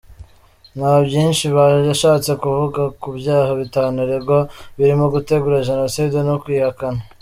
Nta byinshi yashatse kuvuga ku byaha bitanu aregwa birimo gutegura jenoside no kuyihakana.